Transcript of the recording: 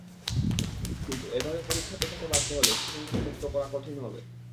কিন্তু এভাবে পরীক্ষা পেছাতে বাধ্য হলে সেশনজট মুক্ত করা কঠিন হবে।